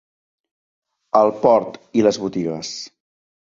El port i les botigues.